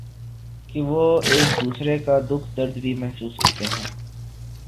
کہ وہ ایک دوسرے کا دکھ درد بھی محسوس کرتے ہیں ۔